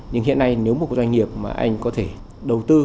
nhưng hiện nay nếu một doanh nghiệp mà anh có thể đầu tư